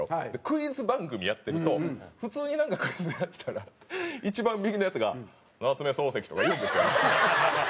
クイズ番組やってると普通にクイズ出したら一番右のヤツが「夏目漱石」とか言うんですよ。